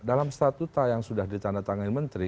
dalam statuta yang sudah ditandatangani menteri